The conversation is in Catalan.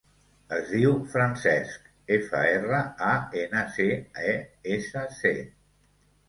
Es diu Francesc: efa, erra, a, ena, ce, e, essa, ce.